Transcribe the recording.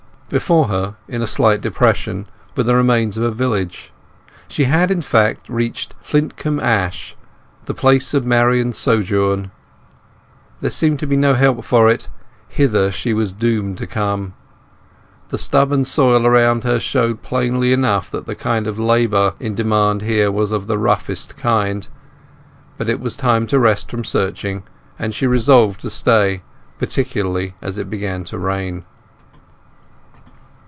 Before her, in a slight depression, were the remains of a village. She had, in fact, reached Flintcomb Ash, the place of Marian's sojourn. There seemed to be no help for it; hither she was doomed to come. The stubborn soil around her showed plainly enough that the kind of labour in demand here was of the roughest kind; but it was time to rest from searching, and she resolved to stay, particularly as it began to rain.